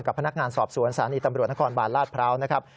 พนักงานสอบสวนสถานีตำรวจนครบาลลาดพร้าวนะครับ